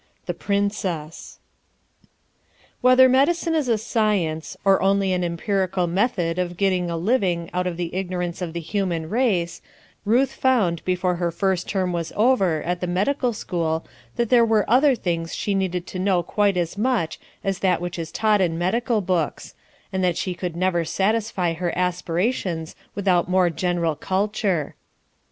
The Princess. Whether medicine is a science, or only an empirical method of getting a living out of the ignorance of the human race, Ruth found before her first term was over at the medical school that there were other things she needed to know quite as much as that which is taught in medical books, and that she could never satisfy her aspirations without more general culture.